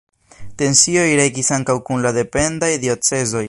Tensioj regis ankaŭ kun la dependaj diocezoj.